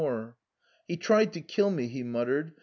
He tried to kill me," he muttered.